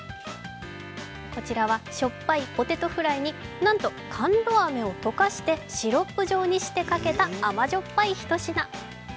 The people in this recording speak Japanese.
こちらはしょっぱいポテトフライになんとカンロ飴を溶かしてシロップ状にしてかけた甘じょっぱい一品。